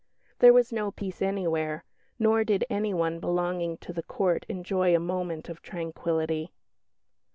"There was no peace anywhere, nor did anyone belonging to the Court enjoy a moment of tranquillity."